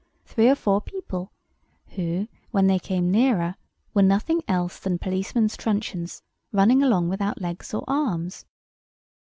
three or four people, who, when they came nearer, were nothing else than policemen's truncheons, running along without legs or arms.